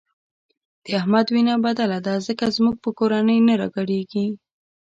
د احمد وینه بدله ده ځکه زموږ په کورنۍ نه راګډېږي.